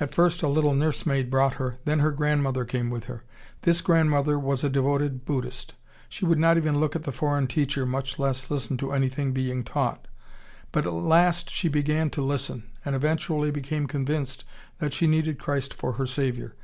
At first a little nursemaid brought her, then her grandmother came with her. This grandmother was a devoted Buddhist. She would not even look at the foreign teacher, much less listen to anything being taught, but at last she began to listen, and eventually became convinced that she needed Christ for her Saviour.